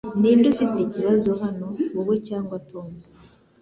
Ninde ufite ikibazo hano, wowe cyangwa Tom?